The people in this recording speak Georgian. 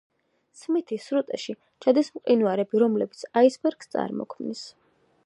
სმითის სრუტეში ჩადის მყინვარები, რომლებიც აისბერგებს წარმოქმნის.